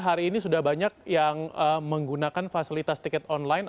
hari ini sudah banyak yang menggunakan fasilitas tiket online